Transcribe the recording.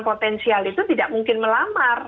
potensial itu tidak mungkin melamar